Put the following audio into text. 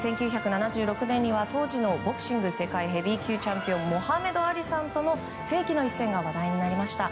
１９７６年には当時のボクシング世界ヘビー級チャンピオンモハメド・アリさんとの世紀の一戦が話題になりました。